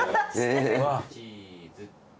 ・チーズ。